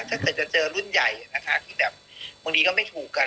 ถ้าเกิดจะเจอเล่นใหญ่มงดีก็ไม่ถูกกัน